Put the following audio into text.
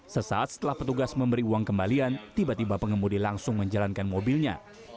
sesaat setelah petugas memberi uang kembalian tiba tiba pengemudi langsung menjalankan mobilnya